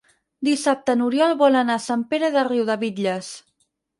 Dissabte n'Oriol vol anar a Sant Pere de Riudebitlles.